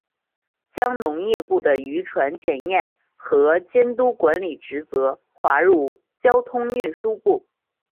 将农业部的渔船检验和监督管理职责划入交通运输部。